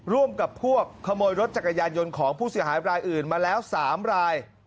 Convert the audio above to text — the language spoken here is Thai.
ร่วมกับพวกขโมยรถจักรยานยนต์ของผู้เสียหายรายอื่นมาแล้ว๓ราย